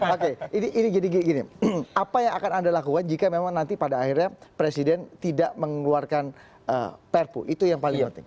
oke ini jadi gini apa yang akan anda lakukan jika memang nanti pada akhirnya presiden tidak mengeluarkan perpu itu yang paling penting